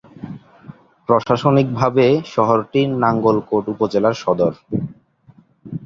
প্রশাসনিকভাবে শহরটি নাঙ্গলকোট উপজেলার সদর।